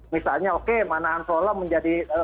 misalnya oke manahan solo menjadi